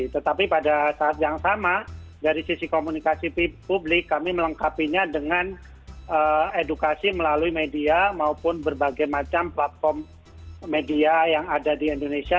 tetapi pada saat yang sama dari sisi komunikasi publik kami melengkapinya dengan edukasi melalui media maupun berbagai macam platform media yang ada di indonesia